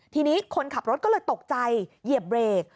ทีนี้คนขับรถก็เลยตกใจเหยียบเบรก